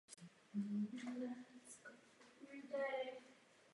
Jsme ohroženi globální sestupnou spirálou, což nemůžeme a nebudeme akceptovat.